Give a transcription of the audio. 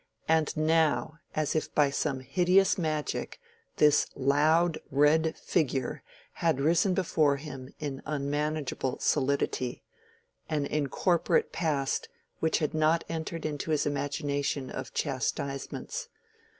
And now, as if by some hideous magic, this loud red figure had risen before him in unmanageable solidity—an incorporate past which had not entered into his imagination of chastisements.